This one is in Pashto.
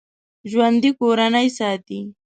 ژوندي کورنۍ ساتي